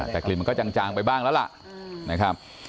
แต่กลิ่นมันก็จางไปบ้างแล้วล่ะนะครับ